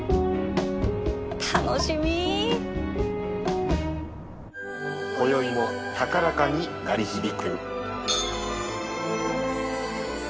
楽しみこよいも高らかに鳴り響く。